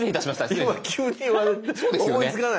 今急に言われて思いつかない。